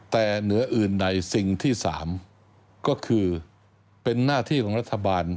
แต่เหนืออื่นใดสิ่งที่๓ก็คือเป็นหน้าที่ของรัฐบาล